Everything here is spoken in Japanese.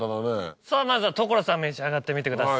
さぁまずは所さん召し上がってみてください。